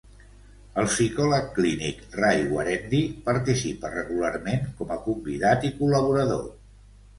El psicòleg clínic Ray Guarendi participa regularment com a convidat i col·laborador.